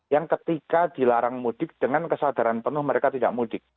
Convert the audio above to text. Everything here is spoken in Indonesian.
yang ketika dilarang mudik dengan kesadaran penuh mereka tidak mudik